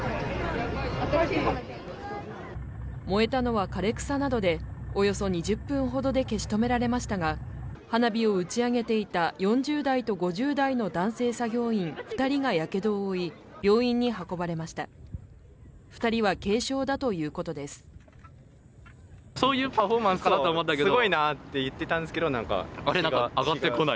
燃えたのは枯れ草などでおよそ２０分ほどで消し止められましたが花火を打ち上げていた４０代と５０代の男性作業員二人がやけどを負い病院に運ばれました二人は軽傷だということです